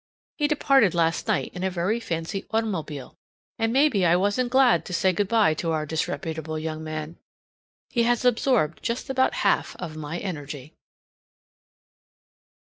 He departed last night in a very fancy automobile, and maybe I wasn't glad to say good by to our disreputable young man! He has absorbed just about half of my energy.